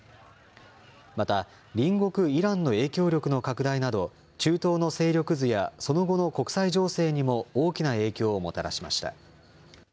また、隣国イランの影響力の拡大など、中東の勢力図やその後の国際情勢にも大きな影響をもたらしました。